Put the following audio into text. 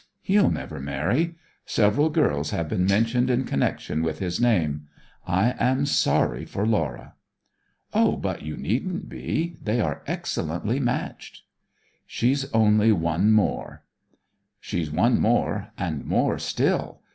'He'll never marry. Several girls have been mentioned in connection with his name. I am sorry for Laura.' 'Oh, but you needn't be. They are excellently matched.' 'She's only one more.' 'She's one more, and more still.